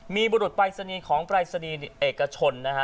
มีบุรุษปรายศนีย์ของปรายศนีย์เอกชนนะฮะ